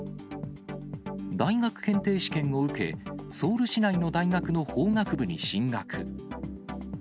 大学検定試験を受け、ソウル市内の大学の法学部に進学。